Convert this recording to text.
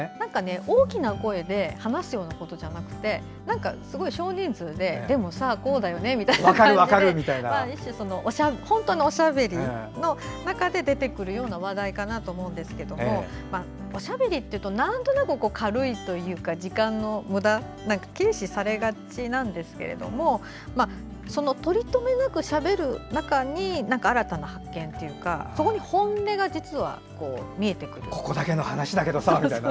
大きな声で話すようなことじゃなくて少人数ででもさ、こうだよねって本当のおしゃべりの中で出てくるような話題かなと思うんですけどおしゃべりっていうとなんとなく軽いというか時間のむだと軽視されがちだけどとりとめなくしゃべる中に新たな発見というかそこに本音が実は見えてくる。